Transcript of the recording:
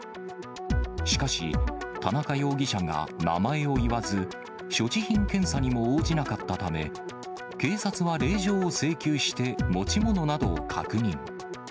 しかし、田中容疑者が名前を言わず、所持品検査にも応じなかったため、警察は令状を請求して、持ち物などを確認。